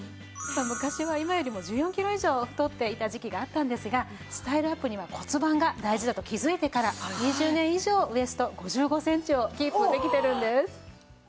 昔は今よりも１４キロ以上太っていた時期があったんですがスタイルアップには骨盤が大事だと気づいてから２０年以上ウエスト５５センチをキープできてるんです。